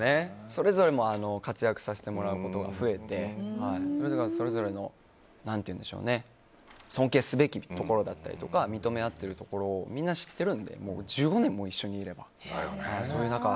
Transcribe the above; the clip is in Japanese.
それぞれ活躍させてもらうことが増えてそれぞれが、それぞれの尊敬すべきところだったりとか認め合っているところをみんな知ってるんで１５年も一緒にいれば。